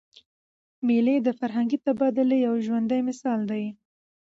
مېلې د فرهنګي تبادلې یو ژوندى مثال دئ.